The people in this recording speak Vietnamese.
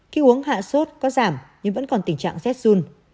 khi uống hạ suốt có giảm nhưng vẫn còn tình trạng z zun